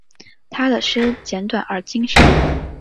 他的诗简短而精深。